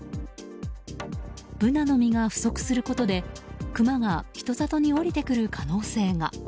ブナの実が不足することでクマが人里に下りてくる可能性が。